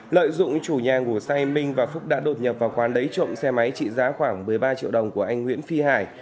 lợi dụng chủ nhà ngủ say minh và phúc đã đột nhập vào quán lấy trộm xe máy trị giá khoảng một mươi ba triệu đồng của anh nguyễn phi hải